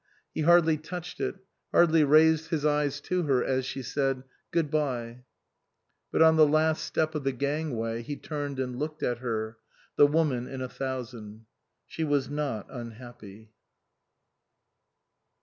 He hardly touched it, hardly raised his eyes to her as she said, " Good bye." But on the last step of the gangway he turned and looked at her the woman in a thousand. She was not unhappy.